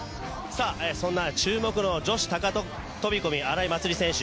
そんな注目の女子高飛び込み荒井祭里選手